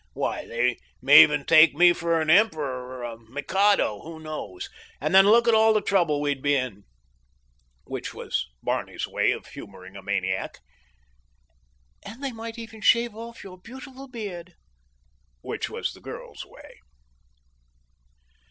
Why, they may even take me for an emperor or a mikado—who knows? And then look at all the trouble we'd be in." Which was Barney's way of humoring a maniac. "And they might even shave off your beautiful beard." Which was the girl's way.